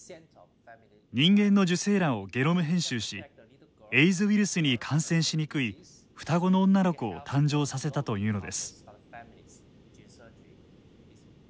人間の受精卵をゲノム編集しエイズウイルスに感染しにくい双子の女の子を誕生させたというのです。